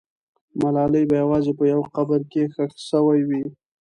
ملالۍ به یوازې په یو قبر کې ښخ سوې وي.